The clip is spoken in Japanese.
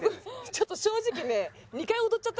ちょっと正直ね。